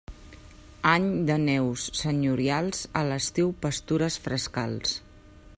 Any de neus senyorials, a l'estiu pastures frescals.